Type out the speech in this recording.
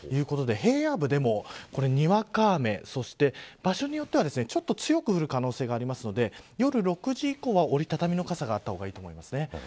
平野部でもにわか雨場所によってはちょっと強く降る可能性がありますので夜６時以降は折り畳みの傘あった方がいいと思います。